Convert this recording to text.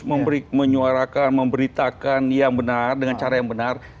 menyuarakan memberitakan yang benar dengan cara yang benar